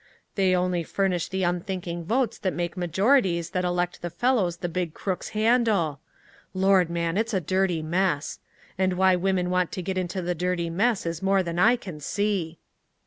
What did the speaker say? They only furnish the unthinking votes that make majorities that elect the fellows the big crooks handle. Lord, man, it's a dirty mess! And why women want to get into the dirty mess is more than I can see."